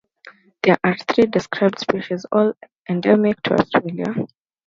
There are three described species, all endemic to Australia.